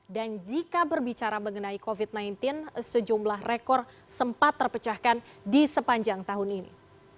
dan jika berbicara mengenai covid sembilan belas sejumlah rekor sempat terpecahkan di sepanjang tahun ini